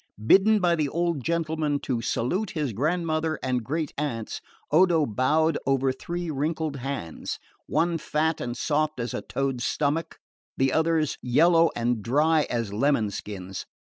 Bidden by the old gentleman to salute his grandmother and great aunts, Odo bowed over three wrinkled hands, one fat and soft as a toad's stomach, the others yellow and dry as lemon skins.